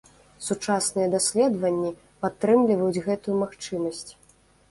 Сучасныя даследаванні падтрымліваюць гэтую магчымасць.